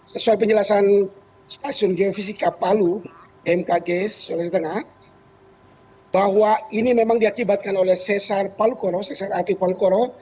sesuai penjelasan stasiun geofisika palu bmkg bahwa ini memang diakibatkan oleh sesar palkoro sesar arti palkoro